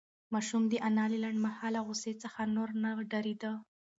ماشوم د انا له لنډمهاله غوسې څخه نور نه ډارېده.